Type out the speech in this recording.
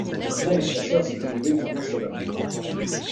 Indiens et chasseurs s'étaient levés comme un seul homme.